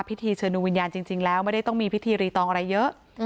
พิธีเชิญดวงวิญญาณจริงแล้วไม่ได้ต้องมีพิธีรีตองอะไรเยอะ